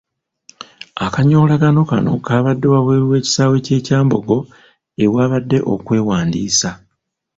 Akanyolagano kano kabadde wabweru w'ekisaawe ky'e Kyambogo ewabadde okwewandiisa.